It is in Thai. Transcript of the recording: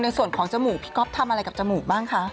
ในส่วนของจมูกพี่ก๊อฟทำอะไรกับจมูกบ้างคะ